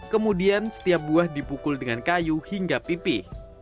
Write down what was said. kemudian setiap buah dipukul dengan kayu hingga pipih